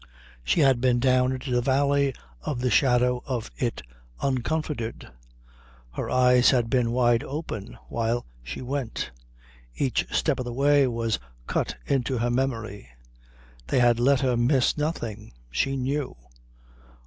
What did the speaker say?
She had been down into the valley of the shadow of it uncomforted. Her eyes had been wide open while she went. Each step of the way was cut into her memory. They had let her miss nothing. She knew.